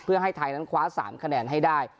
เพื่อให้ไทยนั้นคว้า๓คะแนนให้ได้